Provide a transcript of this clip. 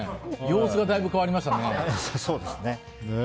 様子がだいぶ変わりましたね。